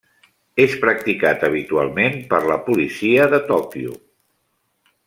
És practicat habitualment per la policia de Tòquio.